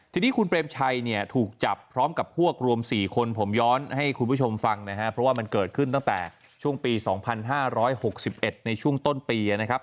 ทีนี้คุณเปรมชัยเนี่ยถูกจับพร้อมกับพวกรวม๔คนผมย้อนให้คุณผู้ชมฟังนะครับเพราะว่ามันเกิดขึ้นตั้งแต่ช่วงปี๒๕๖๑ในช่วงต้นปีนะครับ